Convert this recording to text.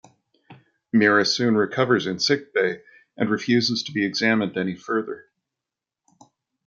Mira soon recovers in sickbay and refuses to be examined any further.